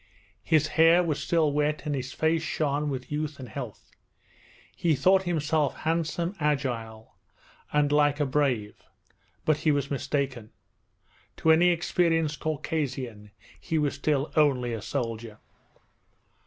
His hair was still wet, and his face shone with youth and health. He thought himself handsome, agile, and like a brave; but he was mistaken. To any experienced Caucasian he was still only a soldier.